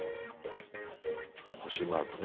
星マークね。